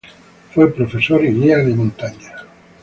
Fue profesor y guía de montaña.